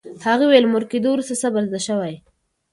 هغې وویل، مور کېدو وروسته صبر زده شوی.